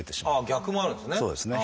逆もあるんですね。